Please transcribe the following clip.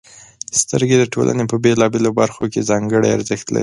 • سترګې د ټولنې په بېلابېلو برخو کې ځانګړې ارزښت لري.